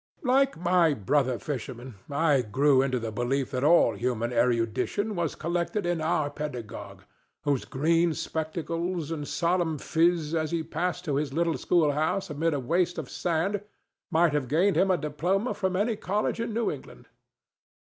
Like my brother fishermen, I grew into the belief that all human erudition was collected in our pedagogue, whose green spectacles and solemn phiz as he passed to his little schoolhouse amid a waste of sand might have gained him a diploma from any college in New England.